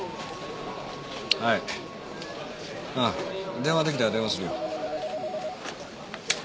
電話出来たら電話するよ。